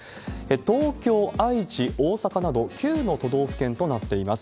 東京、愛知、大阪など９の都道府県となっています。